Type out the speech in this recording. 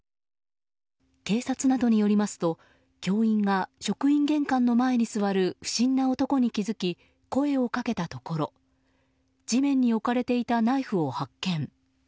警察などによりますと教員が職員玄関の前に座る不審な男に気づき声をかけたところ地面に置かれていたナイフを発見。